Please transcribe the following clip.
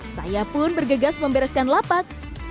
saya pun bergegas membereskan lapak